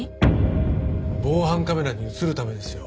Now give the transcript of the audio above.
防犯カメラに映るためですよ。